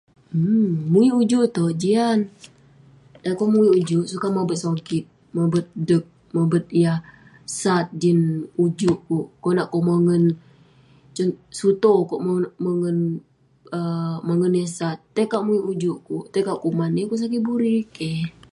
Umk..muwik ujuk itouk, jian..dan kok muwik ujuk, sukat mobet sogit, mobet dek, mobet yah sat jin ujuk kuk..konak kok mongen...sutoh kok mongen um mongen yah sat, tai kauk muwik ujuk kuk, tai tauk kuman, yeng kok sakit buri..keh..